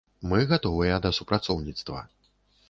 Мы гатовыя да супрацоўніцтва.